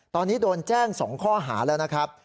ตอนนี้โดนแจ้ง๒ข้อหาแล้วนะครับ